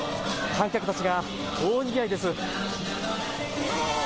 観客たちが大にぎわいです。